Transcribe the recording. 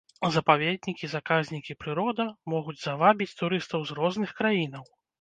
Запаведнікі, заказнікі, прырода могуць завабіць турыстаў з розных краінаў.